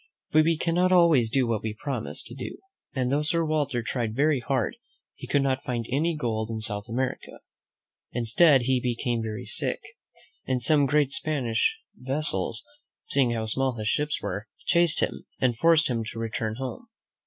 But we cannot always do what we promise to do; and though Sir Walter tried very hard, he could not find any gold in South America. Instead, he became very sick, and some great 102 THE BOY WHO LOVED THE SEA ^:^ Spanish vessels, seeing how small his ships were, chased him, and forced him to return home.